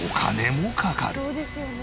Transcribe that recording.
そうですよね。